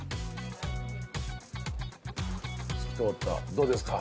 どうですか？